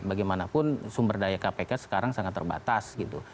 bagaimanapun sumber daya kpk sekarang sangat terbatas gitu